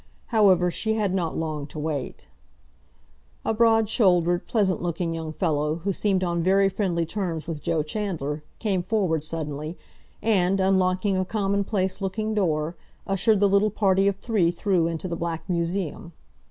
However, she had not long to wait. A broad shouldered, pleasant looking young fellow, who seemed on very friendly terms with Joe Chandler, came forward suddenly, and, unlocking a common place looking door, ushered the little party of three through into the Black Museum.